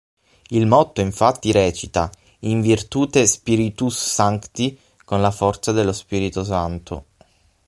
Il motto infatti recita: "In virtute Spiritus Sancti", con la forza dello Spirito Santo.